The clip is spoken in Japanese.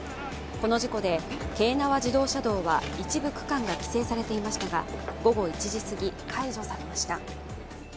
この事故で京奈和自動車道は一部区間が規制されていましたが午後１時すぎ、解除されました。